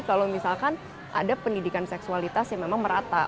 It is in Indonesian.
kalau misalkan ada pendidikan seksualitas yang memang merata